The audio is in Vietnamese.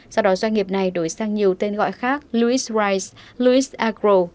sau đó doanh nghiệp này đổi sang nhiều tên gọi khác lewis rice lewis agro